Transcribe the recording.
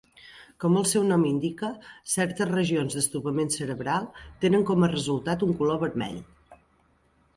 Com el seu nom indica, certes regions d'estovament cerebral tenen com a resultat un color vermell.